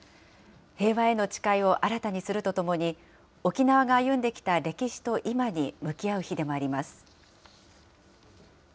平和への誓いを新たにするとともに、沖縄が歩んできた歴史と今に向き合う日でもあります。